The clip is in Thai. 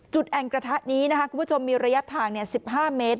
แอ่งกระทะนี้นะคะคุณผู้ชมมีระยะทาง๑๕เมตร